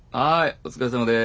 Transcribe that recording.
お疲れさまです。